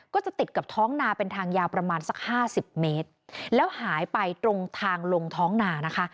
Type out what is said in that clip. จะติดกับท้องนาเป็นทางยาวประมาณสักห้าสิบเมตรแล้วหายไปตรงทางลงท้องนานะคะ